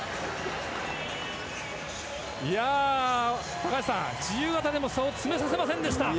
高橋さん、自由形でも差をつけさせませんでした。